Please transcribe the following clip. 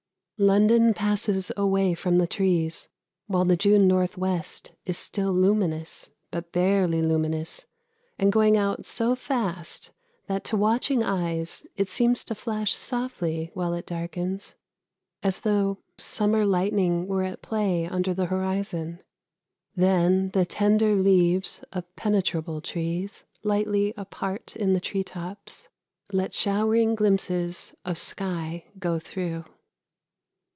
London passes away from the trees while the June north west is still luminous, but barely luminous, and going out so fast that to watching eyes it seems to flash softly while it darkens, as though summer lightning were at play under the horizon; then the tender leaves of penetrable trees, lightly apart in the tree tops, let showering glimpses of sky go through.